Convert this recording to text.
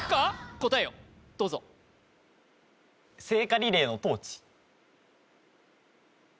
答えをどうぞ聖火リレーのトーチ